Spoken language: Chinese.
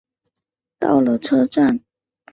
到了车站